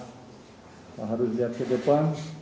kita harus lihat ke depan